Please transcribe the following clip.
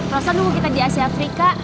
rosa tunggu kita di asia afrika